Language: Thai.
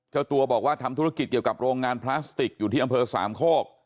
เจ้าตัวบอกว่าทำธุรกิจเกี่ยวกับโรงงานพลาสติกอยู่ที่อำเภอสามโคก